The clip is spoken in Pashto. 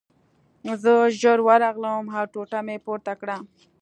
زه ژر ورغلم او ټوټه مې پورته کړه